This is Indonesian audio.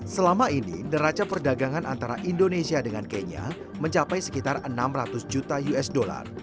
selama ini neraca perdagangan antara indonesia dengan kenya mencapai sekitar enam ratus juta usd